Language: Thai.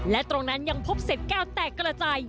และตรงนั้นยังพบเศษแก้วแตกกระจาย